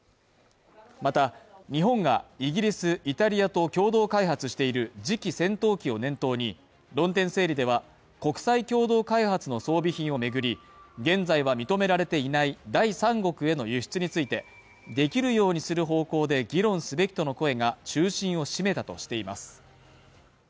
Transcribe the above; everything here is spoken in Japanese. また、日本がイギリス、イタリアと共同開発している次期戦闘機を念頭に、論点整理では、国際共同開発の装備品を巡り、現在は認められていない第三国への輸出についてできるようにする方向で議論すべきとの声が中心を占めたとしています